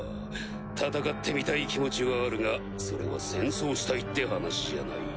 戦ってみたい気持ちはあるがそれは戦争したいって話じゃない。